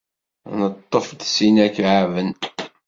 Neṭṭef-d sin ikeεben.